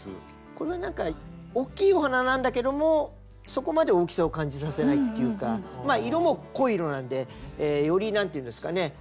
これはおっきいお花なんだけどもそこまで大きさを感じさせないっていうか色も濃い色なんでより何ていうんですかね